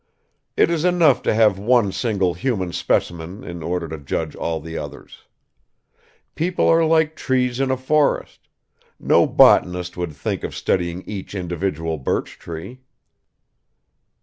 It is enough to have one single human specimen in order to judge all the others. People are like trees in a forest; no botanist would think of studying each individual birch tree."